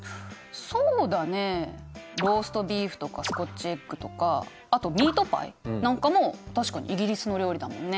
そうだねローストビーフとかスコッチエッグとかあとミートパイなんかも確かにイギリスの料理だもんね。